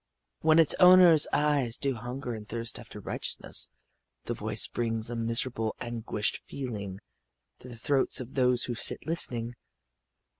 When its owner's eyes do hunger and thirst after righteousness the voice brings a miserable, anguished feeling to the throats of those who sit listening.